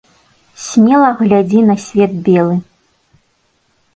Смела глядзі на свет белы.